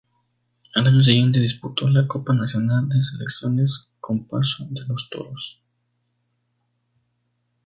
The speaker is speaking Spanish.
Al año siguiente disputó la Copa Nacional de Selecciones con Paso de los Toros.